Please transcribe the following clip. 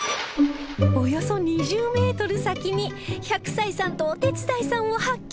およそ２０メートル先に１００歳さんとお手伝いさんを発見